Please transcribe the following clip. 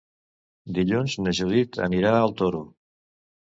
Dilluns na Judit anirà al Toro.